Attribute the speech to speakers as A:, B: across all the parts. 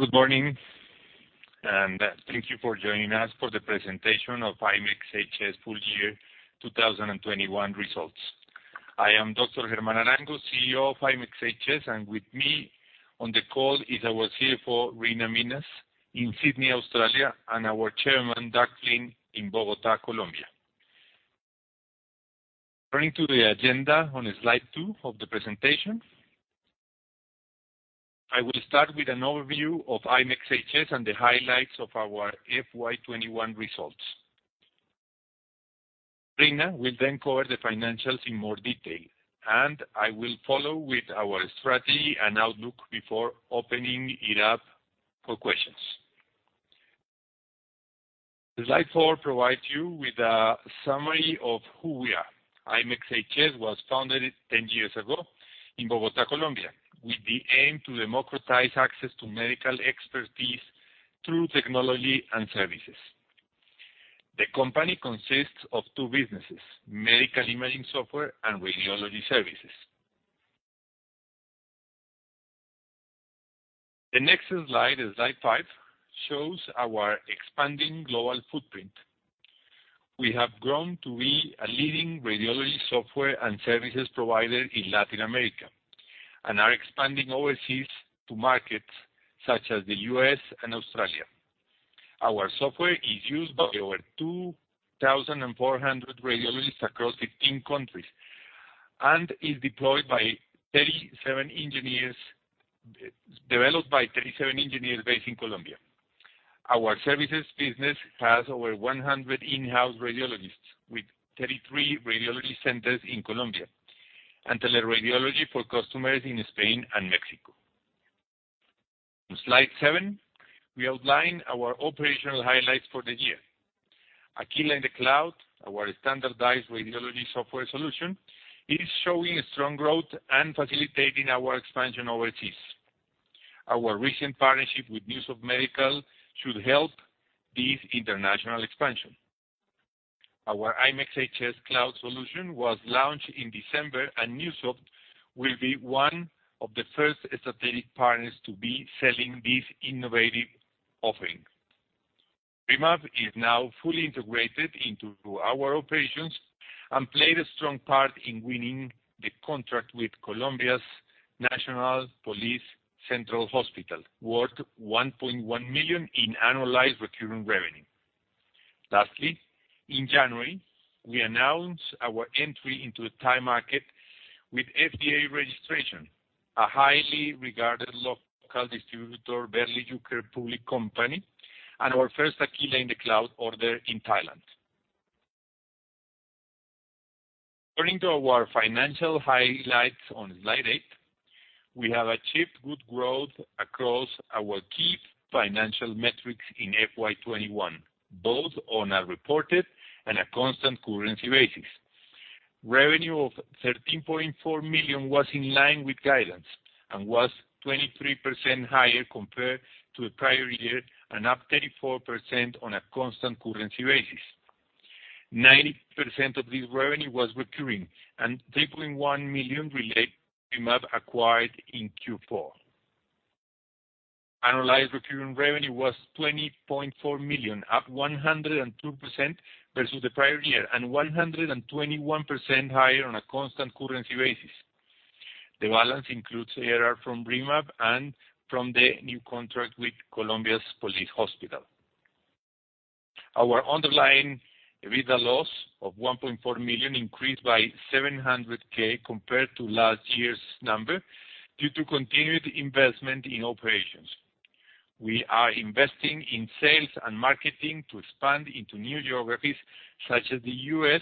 A: Good morning, and thank you for joining us for the presentation of ImExHS full year 2021 results. I am Dr. Germán Arango, CEO of ImExHS, and with me on the call is our CFO, Reena Minhas in Sydney, Australia, and our chairman, Douglas Flynn in Bogotá, Colombia. Turning to the agenda on slide two of the presentation. I will start with an overview of ImExHS and the highlights of our FY 2021 results. Reena will then cover the financials in more detail. I will follow with our strategy and outlook before opening it up for questions. Slide four provides you with a summary of who we are. ImExHS was founded 10 years ago in Bogotá, Colombia, with the aim to democratize access to medical expertise through technology and services. The company consists of two businesses, medical imaging software and radiology services. The next slide five, shows our expanding global footprint. We have grown to be a leading radiology software and services provider in Latin America, and are expanding overseas to markets such as the U.S. and Australia. Our software is used by over 2,400 radiologists across 15 countries and is developed by 37 engineers based in Colombia. Our services business has over 100 in-house radiologists with 33 radiology centers in Colombia and teleradiology for customers in Spain and Mexico. On slide seven, we outline our operational highlights for the year. Aquila in the Cloud, our standardized radiology software solution, is showing strong growth and facilitating our expansion overseas. Our recent partnership with Neusoft Medical should help this international expansion. Our ImExHS Cloud solution was launched in December, and Neusoft will be one of the first strategic partners to be selling this innovative offering. RIMAB is now fully integrated into our operations and played a strong part in winning the contract with Colombia's National Police Central Hospital, worth 1.1 million in annualized recurring revenue. Lastly, in January, we announced our entry into the Thai market with FDA registration, a highly regarded local distributor, Berli Jucker Public Company Limited, and our first Aquila in the Cloud order in Thailand. Turning to our financial highlights on slide eight. We have achieved good growth across our key financial metrics in FY 2021, both on a reported and a constant currency basis. Revenue of 13.4 million was in line with guidance and was 23% higher compared to the prior year and up 34% on a constant currency basis. 90% of this revenue was recurring, and 3.1 million relate to RIMAB acquired in Q4. Annualized recurring revenue was 20.4 million, up 102% versus the prior year and 121% higher on a constant currency basis. The balance includes ARR from RIMAB and from the new contract with Colombia's police hospital. Our underlying EBITDA loss of 1.4 million increased by 700K compared to last year's number due to continued investment in operations. We are investing in sales and marketing to expand into new geographies such as the U.S.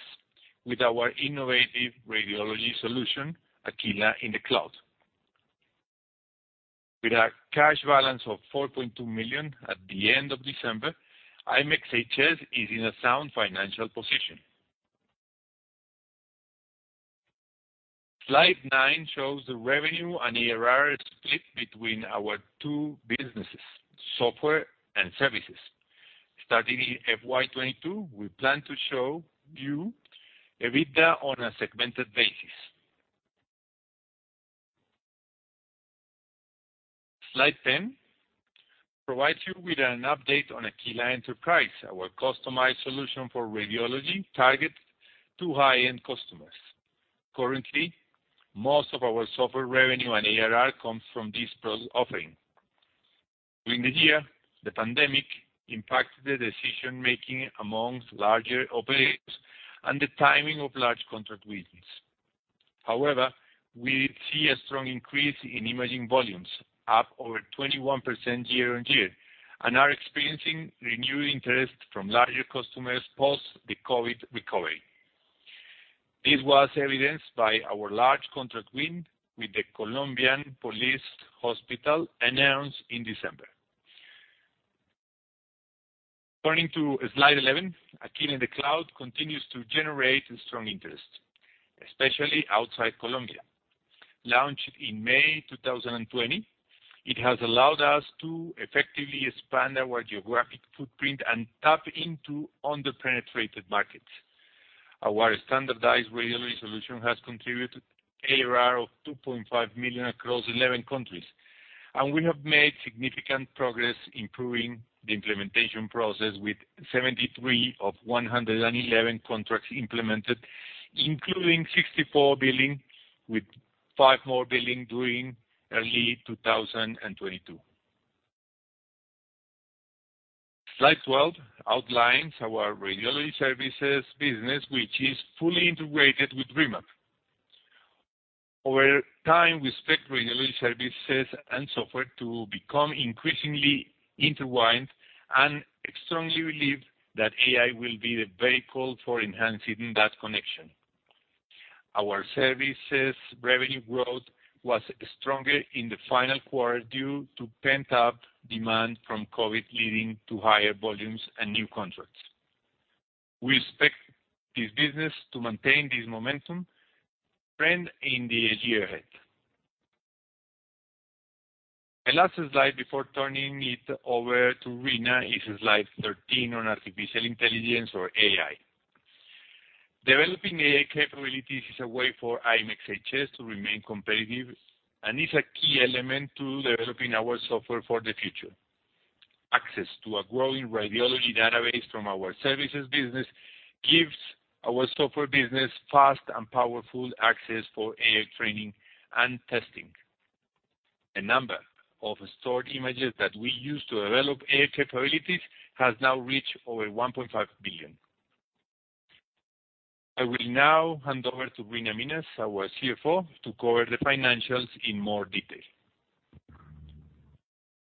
A: with our innovative radiology solution, Aquila in the Cloud. With a cash balance of 4.2 million at the end of December, ImExHS is in a sound financial position. Slide nine shows the revenue and ARR split between our two businesses, software and services. Starting in FY 2022, we plan to show you EBITDA on a segmented basis. Slide 10 provides you with an update on Aquila Enterprise, our customized solution for radiology targeted to high-end customers. Currently, most of our software revenue and ARR comes from this product offering. During the year, the pandemic impacted the decision-making amongst larger operators and the timing of large contract wins. However, we see a strong increase in imaging volumes, up over 21% year-on-year, and are experiencing renewed interest from larger customers post the COVID recovery. This was evidenced by our large contract win with Colombia's National Police Central Hospital announced in December. Turning to slide 11, Aquila in the Cloud continues to generate strong interest, especially outside Colombia. Launched in May 2020, it has allowed us to effectively expand our geographic footprint and tap into under-penetrated markets. Our standardized radiology solution has contributed ARR of 2.5 million across 11 countries, and we have made significant progress improving the implementation process with 73 of 111 contracts implemented, including 64 billing, with 5 more billing during early 2022. Slide 12 outlines our radiology services business, which is fully integrated with RIMAB. Over time, we expect radiology services and software to become increasingly intertwined and extremely reliant that AI will be the vehicle for enhancing that connection. Our services revenue growth was stronger in the final quarter due to pent-up demand from COVID, leading to higher volumes and new contracts. We expect this business to maintain this momentum trend in the year ahead. The last slide before turning it over to Reena Minhas is slide 13 on artificial intelligence or AI. Developing AI capabilities is a way for ImExHS to remain competitive and is a key element to developing our software for the future. Access to a growing radiology database from our services business gives our software business fast and powerful access for AI training and testing. A number of stored images that we use to develop AI capabilities has now reached over 1.5 billion. I will now hand over to Reena Minhas, our CFO, to cover the financials in more detail.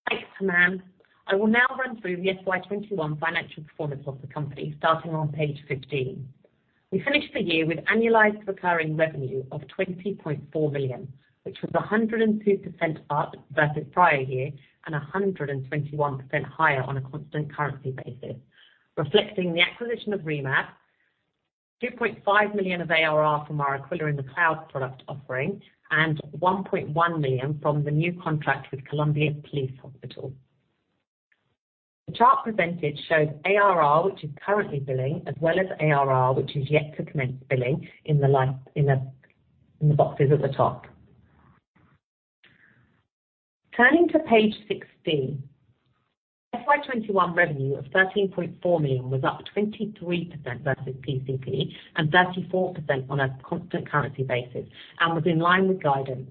B: Thanks, Germán. I will now run through the FY 2021 financial performance of the company, starting on page 15. We finished the year with annualized recurring revenue of 20.4 million, which was 102% up versus prior year and 121% higher on a constant currency basis, reflecting the acquisition of RIMAB, 2.5 million of ARR from our Aquila in the Cloud product offering, and 1.1 million from the new contract with Colombia's National Police Central Hospital. The chart presented shows ARR, which is currently billing, as well as ARR, which is yet to commence billing in the boxes at the top. Turning to page 16, FY 2021 revenue of 13.4 million was up 23% versus PCP and 34% on a constant currency basis and was in line with guidance.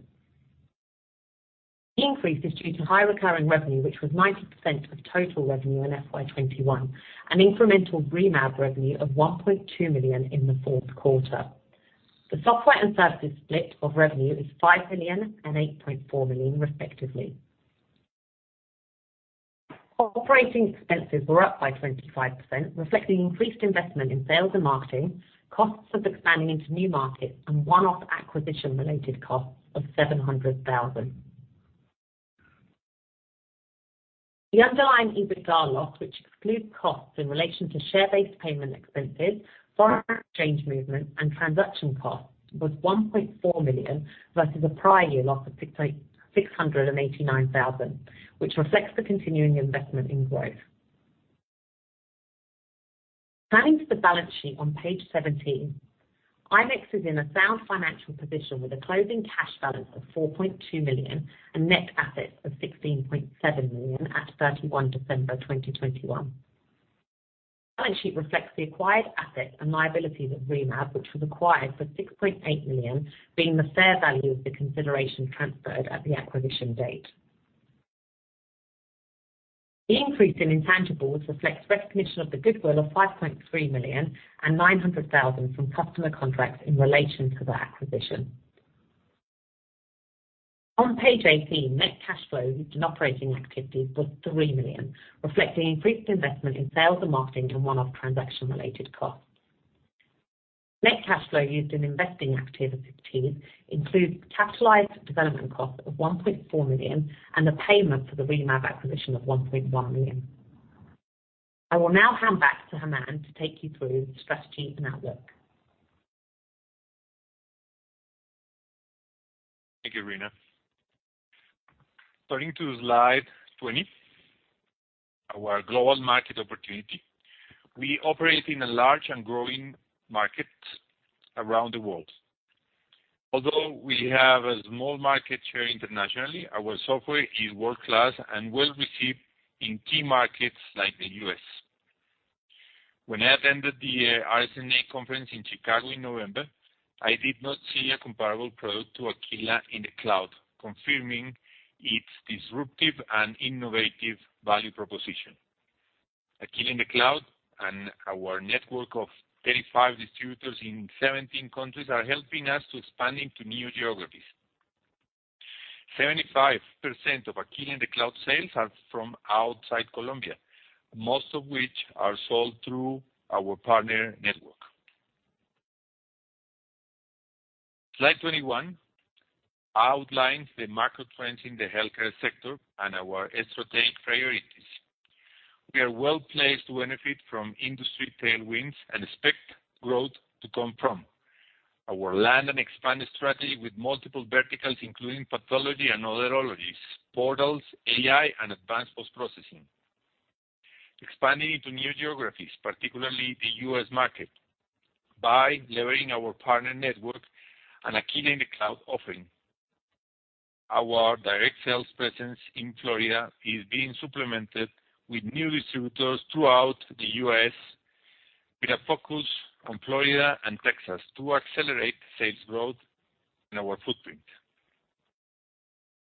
B: The increase is due to high recurring revenue, which was 90% of total revenue in FY 2021, an incremental RIMAB revenue of 1.2 million in the fourth quarter. The software and services split of revenue is 5 million and 8.4 million respectively. Operating expenses were up by 25%, reflecting increased investment in sales and marketing, costs of expanding into new markets, and one-off acquisition-related costs of 700,000. The underlying EBITDA loss, which excludes costs in relation to share-based payment expenses, foreign exchange movement, and transaction costs, was 1.4 million versus a prior year loss of 689,000, which reflects the continuing investment in growth. Turning to the balance sheet on page 17, ImExHS is in a sound financial position with a closing cash balance of 4.2 million and net assets of 16.7 million at 31 December 2021. Balance sheet reflects the acquired assets and liabilities of RIMAB, which was acquired for $6.8 million, being the fair value of the consideration transferred at the acquisition date. The increase in intangibles reflects recognition of the goodwill of 5.3 million and $900,000 from customer contracts in relation to the acquisition. On page 18, net cash flow used in operating activities was 3 million, reflecting increased investment in sales and marketing and one-off transaction-related costs. Net cash flow used in investing activities includes capitalized development costs of 1.4 million and the payment for the RIMAB acquisition of 1.1 million. I will now hand back to Germán to take you through strategy and outlook.
A: Thank you, Reena. Turning to slide 20, our global market opportunity. We operate in a large and growing market around the world. Although we have a small market share internationally, our software is world-class and well-received in key markets like the U.S. When I attended the RSNA conference in Chicago in November, I did not see a comparable product to Aquila in the Cloud, confirming its disruptive and innovative value proposition. Aquila in the Cloud and our network of 35 distributors in 17 countries are helping us to expand into new geogaphies. 75% of Aquila in the Cloud sales are from outside Colombia, most of which are sold through our partner network. Slide 21 outlines the market trends in the healthcare sector and our strategic priorities. We are well-placed to benefit from industry tailwinds and expect growth to come from our land-and-expand strategy with multiple verticals including pathology and other -ologies, portals, AI, and advanced post-processing. Expanding into new geographies, particularly the U.S. market, by leveraging our partner network and Aquila in the Cloud offering. Our direct sales presence in Florida is being supplemented with new distributors throughout the U.S. We are focused on Florida and Texas to accelerate sales growth in our footprint.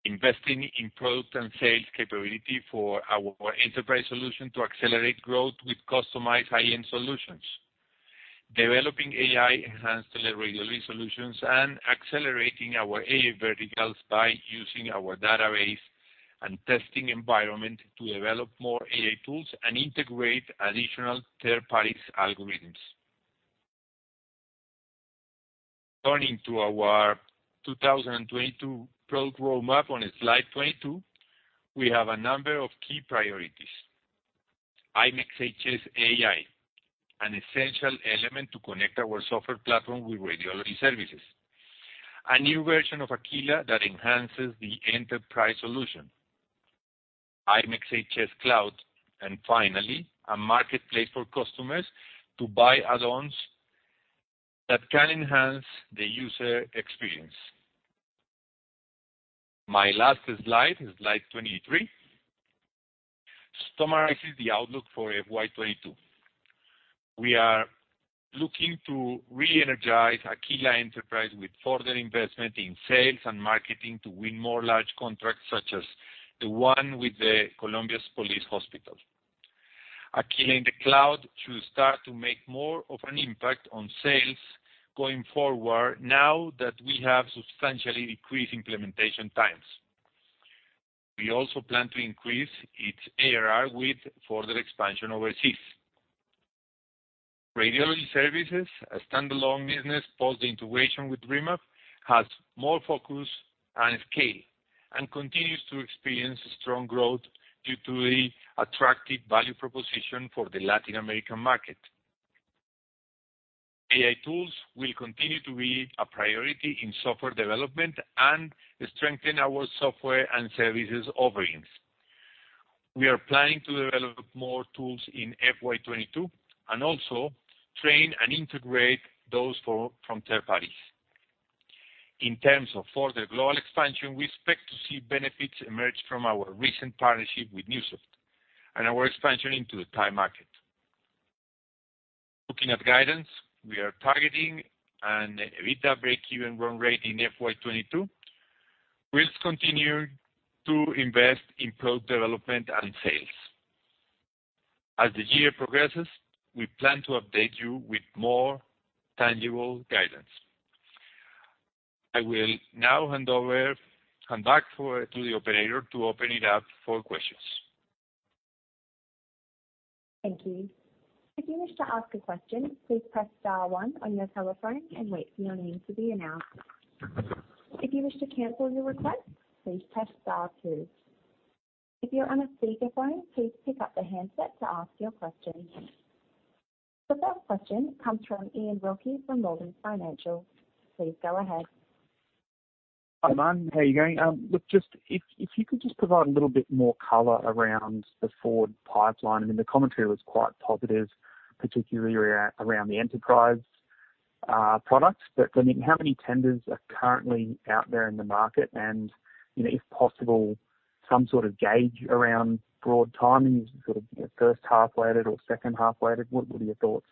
A: Investing in product and sales capability for our enterprise solution to accelerate growth with customized high-end solutions. Developing AI-enhanced teleradiology solutions and accelerating our AI verticals by using our database and testing environment to develop more AI tools and integrate additional third-party algorithms. Turning to our 2022 product roadmap on slide 22, we have a number of key priorities. ImExHS AI, an essential element to connect our software platform with radiology services. A new version of Aquila that enhances the enterprise solution. ImExHS Cloud, and finally, a marketplace for customers to buy add-ons that can enhance the user experience. My last slide is slide 23, summarizing the outlook for FY 2022. We are looking to re-energize Aquila Enterprise with further investment in sales and marketing to win more large contracts, such as the one with the Colombia's Police Hospital. Aquila in the Cloud should start to make more of an impact on sales going forward now that we have substantially decreased implementation times. We also plan to increase its ARR with further expansion overseas. Radiology services, a standalone business post-integration with RIMAB, has more focus and scale and continues to experience strong growth due to the attractive value proposition for the Latin American market. AI tools will continue to be a priority in software development and strengthen our software and services offerings. We are planning to develop more tools in FY 2022 and also train and integrate those from third parties. In terms of further global expansion, we expect to see benefits emerge from our recent partnership with Neusoft and our expansion into the Thai market. Looking at guidance, we are targeting an EBITDA breakeven run rate in FY 2022. We'll continue to invest in product development and sales. As the year progresses, we plan to update you with more tangible guidance. I will now hand back to the operator to open it up for questions.
C: The first question comes from Ian Wilkie from Morgans Financial. Please go ahead.
D: Hi, Germán. How you going? Look, just if you could just provide a little bit more color around the forward pipeline. I mean, the commentary was quite positive, particularly around the enterprise products. I mean, how many tenders are currently out there in the market? You know, if possible, some sort of gauge around broad timing, sort of, you know, first half weighted or second half weighted. What are your thoughts?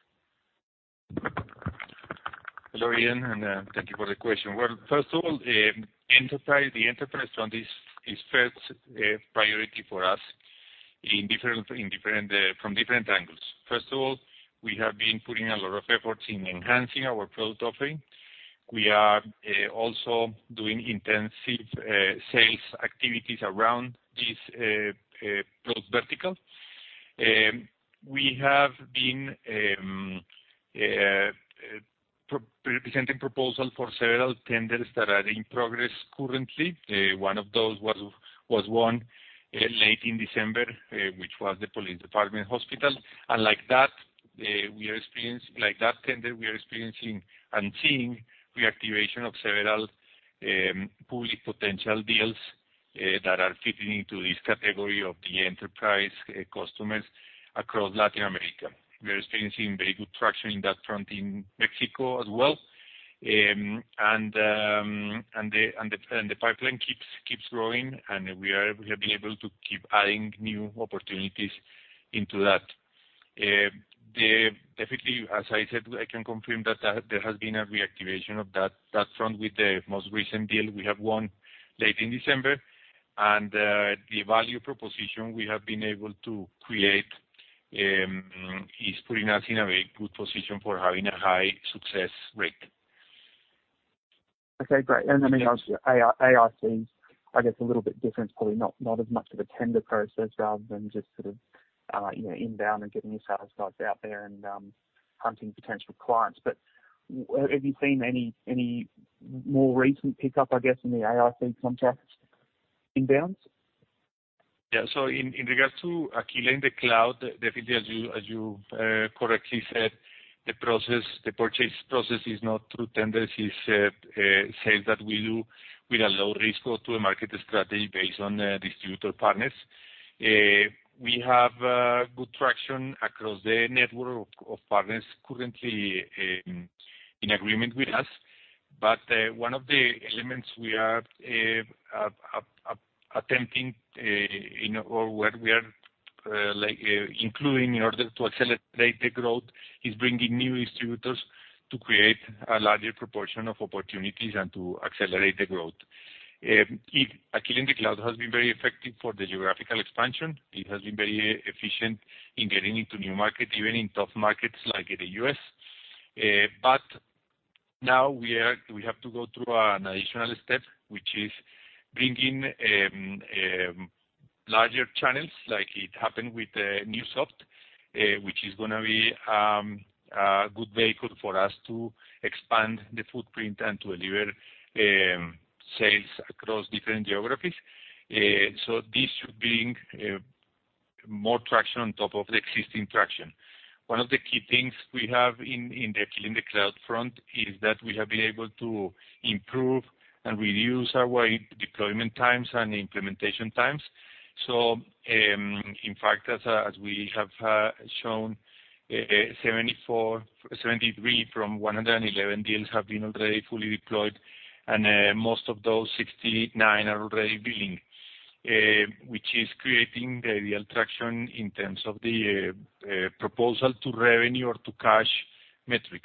A: Hello, Ian, and thank you for the question. Well, first of all, the enterprise front is first priority for us from different angles. First of all, we have been putting a lot of efforts in enhancing our product offering. We are also doing intensive sales activities around this product vertical. We have been presenting proposals for several tenders that are in progress currently. One of those was won late in December, which was the Colombia's National Police Central Hospital. Like that tender, we are experiencing and seeing reactivation of several public potential deals that are fitting into this category of the enterprise customers across Latin America. We are experiencing very good traction in that front in Mexico as well. The pipeline keeps growing. We have been able to keep adding new opportunities into that. Definitely, as I said, I can confirm that there has been a reactivation of that front with the most recent deal we have won late in December. The value proposition we have been able to create is putting us in a very good position for having a high success rate.
D: Okay, great. Let me ask you, AitC I guess a little bit different, probably not as much of a tender process rather than just sort of inbound and getting your sales guys out there and hunting potential clients. Have you seen any more recent pickup, I guess, in the AitC contracts inbounds?
A: Yeah. In regards to Aquila in the Cloud, definitely as you correctly said, the purchase process is not through tenders. It's sales that we do with a low-risk go-to-market strategy based on the distributor partners. We have good traction across the network of partners currently in agreement with us. One of the elements we are attempting or what we are, like, including in order to accelerate the growth is bringing new distributors to create a larger proportion of opportunities and to accelerate the growth. Aquila in the Cloud has been very effective for the geographical expansion. It has been very efficient in getting into new markets, even in tough markets like in the U.S. Now we have to go through an additional step, which is bringing larger channels like it happened with Neusoft, which is gonna be a good vehicle for us to expand the footprint and to deliver sales across different geographies. This should bring more traction on top of the existing traction. One of the key things we have in the Aquila in the Cloud front is that we have been able to improve and reduce our deployment times and implementation times. In fact, as we have shown, 73 from 111 deals have been already fully deployed, and most of those 69 are already billing, which is creating the real traction in terms of the proposal to revenue or to cash metrics.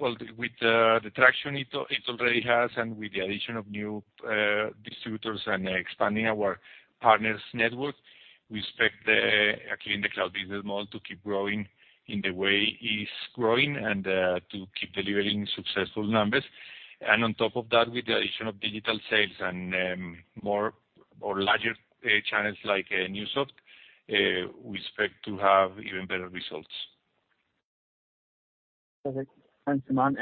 A: Well, with the traction it already has and with the addition of new distributors and expanding our partners network, we expect the Aquila in the Cloud business model to keep growing in the way it's growing and to keep delivering successful numbers. On top of that, with the addition of digital sales and more or larger channels like Neusoft, we expect to have even better results.
D: Perfect. Thanks, Germán.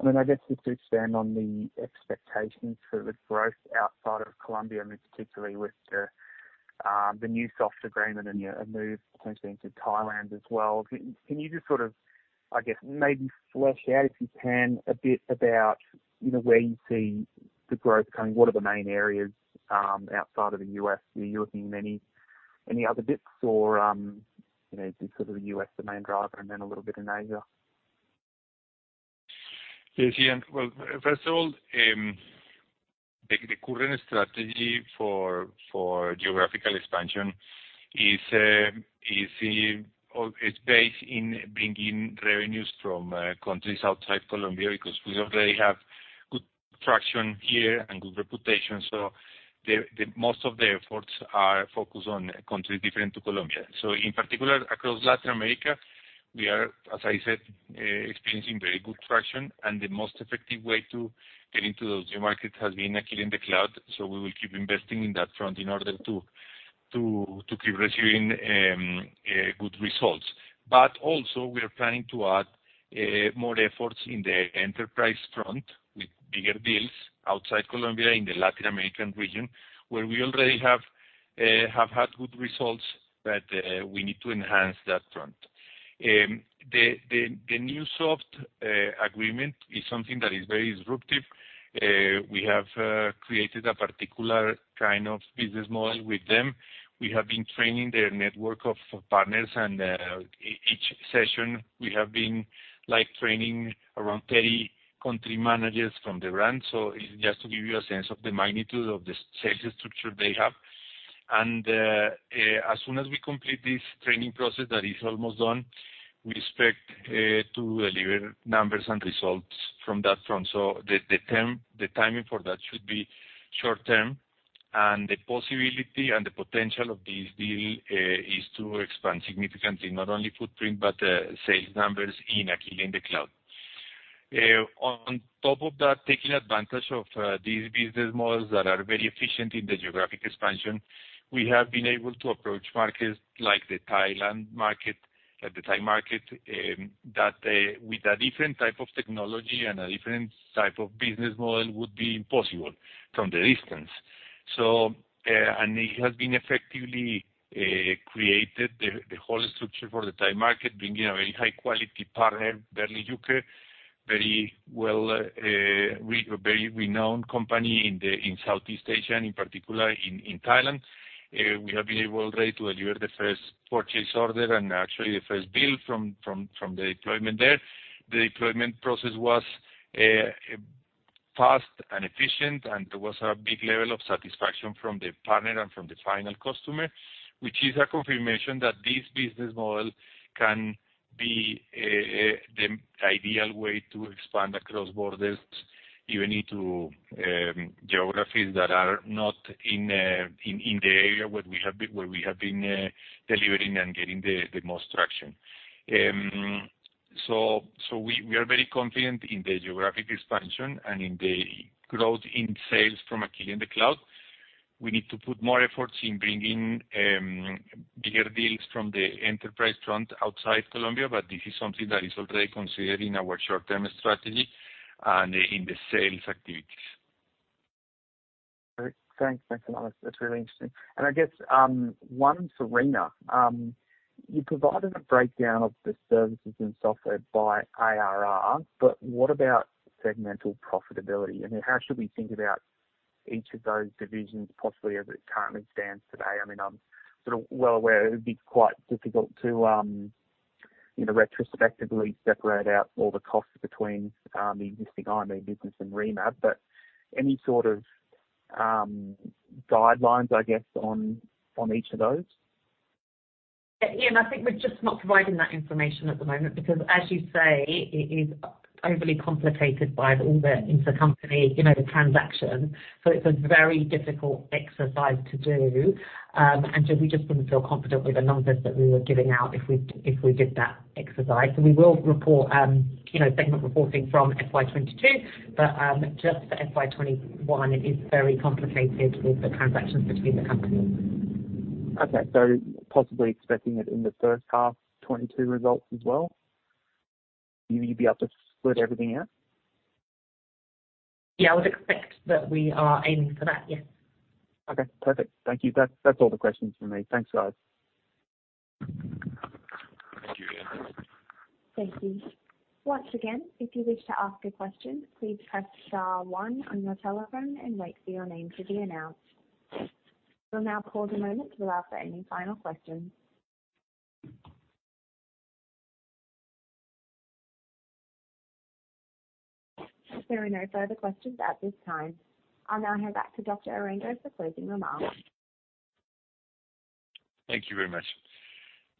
D: I mean, I guess just to expand on the expectations for the growth outside of Colombia, and particularly with the Neusoft agreement and your move potentially into Thailand as well. Can you just sort of, I guess, maybe flesh out, if you can, a bit about, you know, where you see the growth coming? What are the main areas outside of the U.S.? Are you looking any other bits or, you know, is sort of the U.S. the main driver and then a little bit in Asia?
A: Yes. Yeah. Well, first of all, the current strategy for geographical expansion is based in bringing revenues from countries outside Colombia because we already have good traction here and good reputation. The most of the efforts are focused on countries different to Colombia. In particular, across Latin America, we are, as I said, experiencing very good traction. The most effective way to get into those new markets has been Aquila in the Cloud. We will keep investing in that front in order to keep receiving good results. Also we are planning to add more efforts in the enterprise front with bigger deals outside Colombia in the Latin American region, where we already have had good results, but we need to enhance that front. The Neusoft agreement is something that is very disruptive. We have created a particular kind of business model with them. We have been training their network of partners, and each session we have been like training around 30 country managers from the brand. It's just to give you a sense of the magnitude of the sales structure they have. As soon as we complete this training process that is almost done, we expect to deliver numbers and results from that front. The timing for that should be short-term, and the possibility and the potential of this deal is to expand significantly, not only footprint, but sales numbers in Aquila in the Cloud. On top of that, taking advantage of these business models that are very efficient in the geographic expansion, we have been able to approach markets like the Thailand market, the Thai market, that with a different type of technology and a different type of business model would be impossible from the distance. And it has been effectively created the whole structure for the Thai market, bringing a very high-quality partner, Berli Jucker, very well renowned company in Southeast Asia, and in particular in Thailand. We have been able already to deliver the first purchase order and actually the first bill from the deployment there. The deployment process was fast and efficient, and there was a big level of satisfaction from the partner and from the final customer, which is a confirmation that this business model can be the ideal way to expand across borders, even into geographies that are not in the area where we have been delivering and getting the most traction. We are very confident in the geographic expansion and in the growth in sales from Aquila in the Cloud. We need to put more efforts in bringing bigger deals from the enterprise front outside Colombia, but this is something that is already considered in our short-term strategy and in the sales activities.
D: Great. Thanks. Thanks a lot. That's really interesting. I guess one for Reena. You provided a breakdown of the services and software by ARR, but what about segmental profitability? I mean, how should we think about each of those divisions, possibly as it currently stands today. I mean, I'm sort of well aware it would be quite difficult to retrospectively separate out all the costs between the existing eye care business and RIMAB. But any sort of guidelines, I guess, on each of those?
B: Yeah. I think we're just not providing that information at the moment because as you say, it is overly complicated by all the intercompany, you know, the transaction. It's a very difficult exercise to do. We just didn't feel confident with the numbers that we were giving out if we did that exercise. We will report you know, segment reporting from FY 2022, but just for FY 2021, it is very complicated with the transactions between the companies.
D: Okay. Possibly expecting it in the first half 2022 results as well? You're gonna be able to split everything out?
B: Yeah, I would expect that we are aiming for that. Yes.
D: Okay, perfect. Thank you. That's all the questions for me. Thanks, guys.
A: Thank you.
C: Thank you. Once again, if you wish to ask a question, please press star one on your telephone and wait for your name to be announced. We'll now pause a moment to allow for any final questions. There are no further questions at this time. I'll now hand back to Dr. Arango for closing remarks.
A: Thank you very much.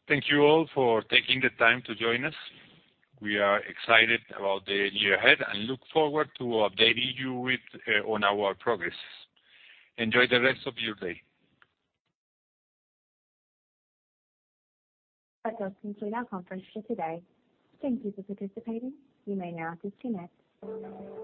A: Thank you all for taking the time to join us. We are excited about the year ahead and look forward to updating you on our progress. Enjoy the rest of your day
C: That does conclude our conference for today. Thank you for participating. You may now disconnect.